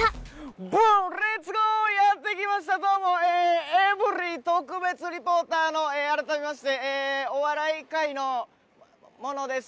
ぶーん、レッツゴー、やって来ました、どうも、エブリィ特別リポーターの、改めまして、えー、お笑い界の者です。